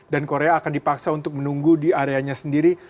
dan korea akan dipaksa untuk menunggu di areanya sendiri